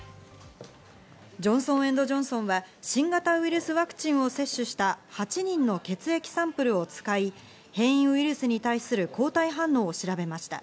ジョンソン・エンド・ジョンソンは新型ウイルスワクチンを接種した８人の血液サンプルを使い、変異ウイルスに対する抗体反応を調べました。